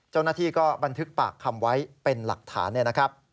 เจ้าหน้าที่ก็บันทึกปากคำไว้เป็นหลักฐาน